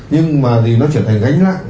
nhưng mà thì nó trở thành gánh lặng